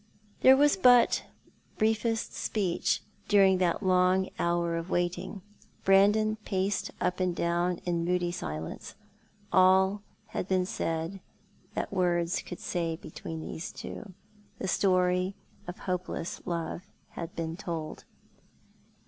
There was but briefest speech during that long hour of waiting. Brandon paced up and down in moody silence. All had been said that words could say between those two. The story of hopeless love had been told.